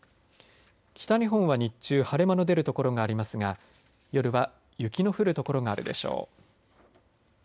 北日本は日中晴れ間の出る所がありますが夜は雪の降る所があるでしょう。